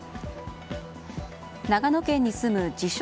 長野県に住む自称